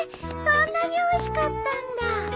そんなにおいしかったんだ。